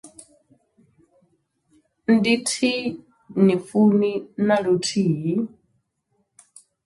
Ndi thi ni funi na luthihi.